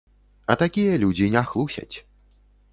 А такія людзі не хлусяць.